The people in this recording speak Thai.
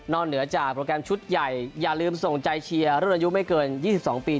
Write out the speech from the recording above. เหนือจากโปรแกรมชุดใหญ่อย่าลืมส่งใจเชียร์รุ่นอายุไม่เกิน๒๒ปี